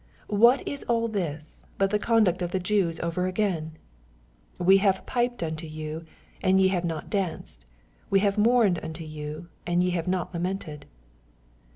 What is all this but the conduct of the Jews over again ?" We have piped unto you, and ye have not danced : we have mourned unto you, and ye have not lamented."